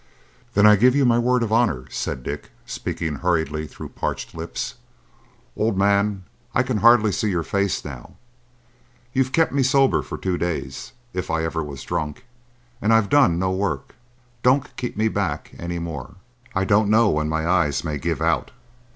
"Then I give you my word of honour," said Dick, speaking hurriedly through parched lips. "Old man, I can hardly see your face now. You've kept me sober for two days,—if I ever was drunk,—and I've done no work. Don't keep me back any more. I don't know when my eyes may give out.